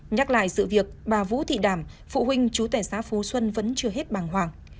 nhắc lại sự việc bà vũ thị đàm phụ huynh chú tẻ xá phú xuân vẫn chưa hết bàng hoàng